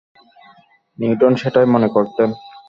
Newton সেটাই মনে করতেন।